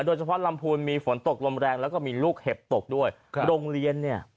โดยเฉพาะลำพูนมีฝนตกลมแรงแล้วก็มีลูกเห็บตกด้วยครับโรงเรียนเนี่ย